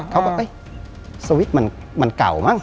เขาก็สวิตช์มันเก่ามั้ง